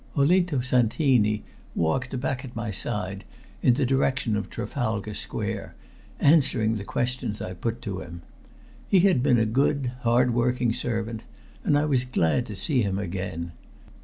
Olinto Santini walked back at my side in the direction of Trafalgar Square, answering the questions I put to him. He had been a good, hard working servant, and I was glad to see him again.